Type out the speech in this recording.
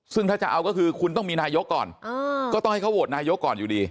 ซึ่งถ้าจะเอาก็คือคุณต้องมีนายกก่อนก็ต้องให้เขาโหวตนายกก่อนอยู่ดี